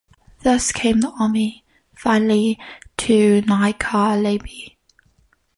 Thus came the army finally to Nykarleby.